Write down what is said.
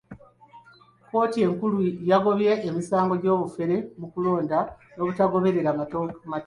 Kkooti enkulu yagobye emisango gy'obufere mu kulonda n'obutagoberera mateeka.